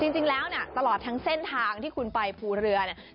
จริงแล้วเนี่ยตลอดทั้งเส้นทางที่คุณไปภูเรือเนี่ย